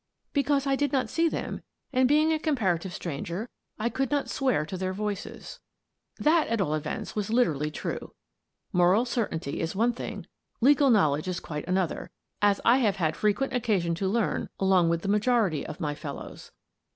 "" Because I did not see them and, being a comparative stranger, I could not swear to their voices." 176 Miss Frances Baird, Detective That, at all events, was literally true. Moral certainty is one thing, legal knowledge is quite an other, as I have had frequent occasion to learn along with the majority of my fellows.